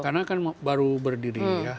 karena kan baru berdiri ya